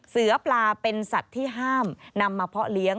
เสือปลาเป็นสัตว์ที่ห้ามนำมาเพาะเลี้ยง